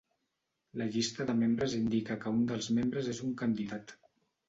La llista de membres indica que un dels membres és un candidat.